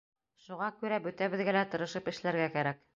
Шуға күрә бөтәбеҙгә лә тырышып эшләргә кәрәк.